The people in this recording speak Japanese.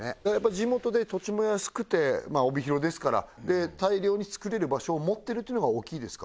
地元で土地も安くて帯広ですから大量に作れる場所を持ってるというのが大きいですか？